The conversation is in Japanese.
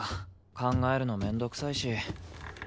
考えるの面倒くさいし俺寝る。